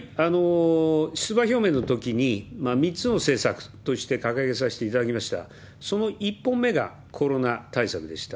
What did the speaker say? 出馬表明のときに、３つの政策として掲げさせていただきました、その１本目がコロナ対策でした。